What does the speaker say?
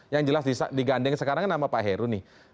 yang jelas digandeng sekarang nama pak heru nih